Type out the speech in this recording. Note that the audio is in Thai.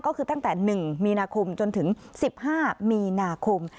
ก็คือตั้งแต่๑มีนาคมจนถึง๑๕มีนาคม